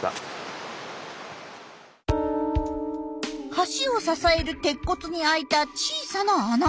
橋を支える鉄骨にあいた小さな穴。